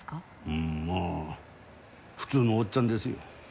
うんまあ普通のおっちゃんですよ。